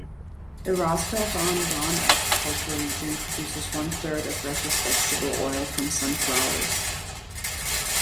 The Rostov-on-Don agricultural region produces one-third of Russia's vegetable oil from sunflowers.